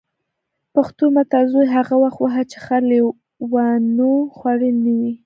پښتو متل: زوی هغه وخت وهه چې خر لېوانو خوړلی نه وي.